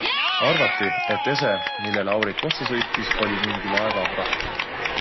Arvati, et ese, millele aurik otsa sõitis, oli mingi laeva vrakk.